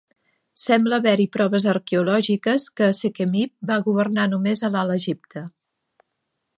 Sembla haver-hi proves arqueològiques que Sekhemib va governar només a l'Alt Egipte.